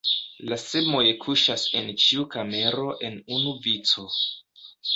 La semoj kuŝas en ĉiu kamero en unu vico.